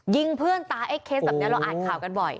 ยิงเพื่อนตายไอ้เคสแบบนี้เราอ่านข่าวกันบ่อย